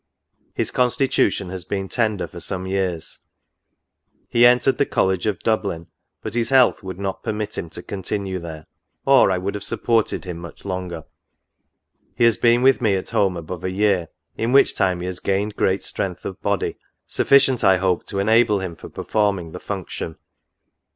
His constitution has been tender for some years; he entered the college of Dublin, but his health would not permit him to continue there, or I would have supported him much longer. He has been with me at home above a year, in which time he has gained great strength of body, sufficient, I hope, to enable him for performing the function.